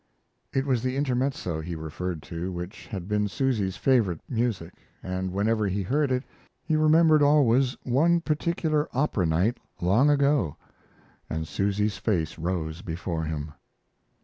It was the "Intermezzo" he referred to, which had been Susy's favorite music, and whenever he heard it he remembered always one particular opera night long ago, and Susy's face rose before him.